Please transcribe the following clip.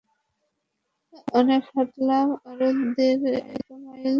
অনেক হাটলাম, আরো দেড় এক মাইল হাটাবি নাকি?